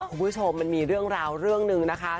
คุณผู้ชมมันมีเรื่องราวเรื่องหนึ่งนะคะ